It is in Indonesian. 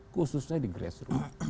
khususnya di grassroot